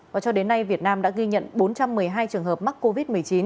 và cho đến nay việt nam đã ghi nhận bốn trăm một mươi hai trường hợp mắc covid một mươi chín